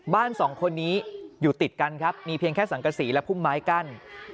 บ้านสองคนนี้อยู่ติดกันครับมีเพียงแค่สังกษีและพุ่มไม้กั้น